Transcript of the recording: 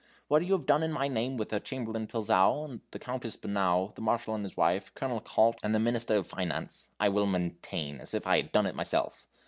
What you have done in my name with the Chamberlain Pilzou, the Countess Bonau, the Marshal and his wife, Colonel Kalt, and the Minister of Finance I will maintain as if I had done it myself.